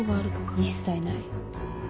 一切ない。